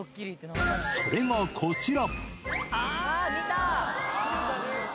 それがこちら。